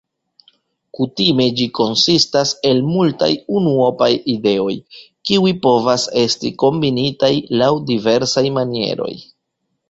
Kutime ĝi konsistas el multaj unuopaj ideoj, kiuj povas esti kombinitaj laŭ diversaj manieroj.